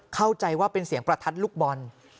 เข้าใจว่าเป็นเสียงประทัดลูกบอล